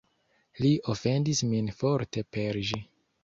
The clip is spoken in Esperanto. Li ofendis min forte per ĝi.